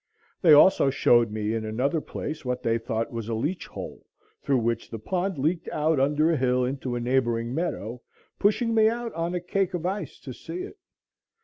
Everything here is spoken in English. They also showed me in another place what they thought was a "leach hole," through which the pond leaked out under a hill into a neighboring meadow, pushing me out on a cake of ice to see it.